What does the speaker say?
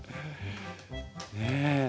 ねえ。